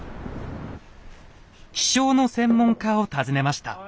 気象の専門家を訪ねました。